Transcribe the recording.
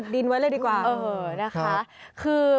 ฝังเข้าไปเลย